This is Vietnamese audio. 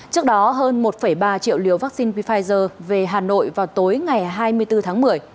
trước đó hơn một ba triệu liều vaccine pfizer về hà nội vào tối ngày hai mươi bốn tháng một mươi